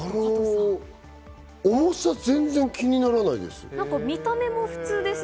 重さが全然気にならないです。